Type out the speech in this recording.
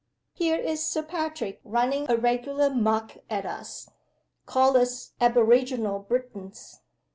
Here is Sir Patrick running a regular Muck at us. Calls us aboriginal Britons.